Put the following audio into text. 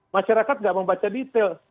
masyarakat nggak membaca detail